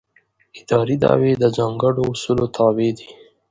اداري دعوې د ځانګړو اصولو تابع دي.